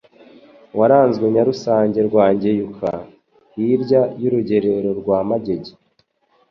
wararanzwe Nyarusange rwa Ngeruka hilya y'urugerero rwa Magege